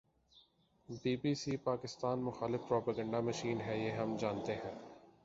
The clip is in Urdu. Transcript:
بی بی سی، پاکستان مخالف پروپیگنڈہ مشین ہے۔ یہ ہم جانتے ہیں